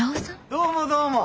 どうもどうも。